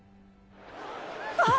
ああ！